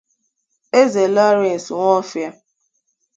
Eze Lawrence Nwofia